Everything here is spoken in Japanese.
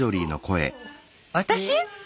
私？